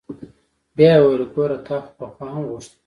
بيا يې وويل ګوره تا خو پخوا هم غوښتل.